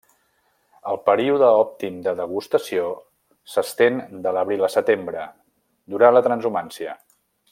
El període òptim de degustació s'estén de l'abril a setembre, durant la transhumància.